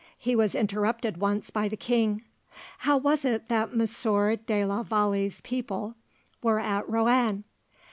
He was interrupted once by the king. "How was it that Monsieur de la Vallee's people were at Roanne?"